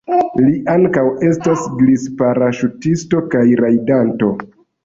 Li ankaŭ estas glisparaŝutisto kaj rajdanto.